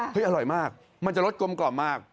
เฮ้ยอร่อยมากมันจะรสกลมกรอบมาก